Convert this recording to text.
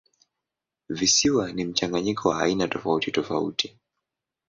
Visiwa ni mchanganyiko wa aina tofautitofauti.